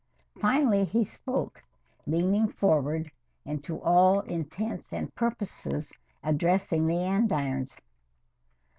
Finally he spoke, leaning forward and to all intents and purposes addressing the andirons.